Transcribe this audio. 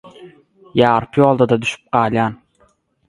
Ýarpy ýolda-da düşüp galýan.